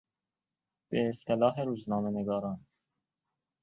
به اصطلاح روزنامه نگاران